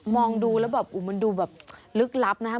องดูแล้วแบบมันดูแบบลึกลับนะครับ